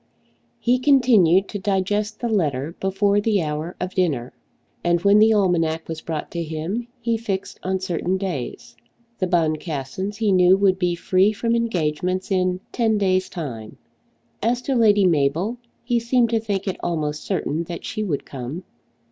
He continued to digest the letter before the hour of dinner, and when the almanac was brought to him he fixed on certain days. The Boncassens he knew would be free from engagements in ten days' time. As to Lady Mabel, he seemed to think it almost certain that she would come.